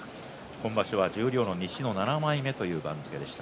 今場所は十両の西の７枚目という番付でした。